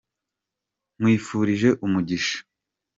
nkwifurije umugisha.